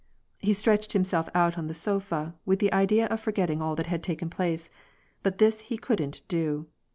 He stretched himself out on the sofa, with the idea of for getting all that had taken place ; but this he couldn't do.